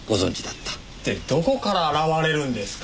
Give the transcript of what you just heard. ってどこから現れるんですか。